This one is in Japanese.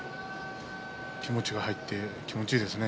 気持ちが入って気持ちいいですね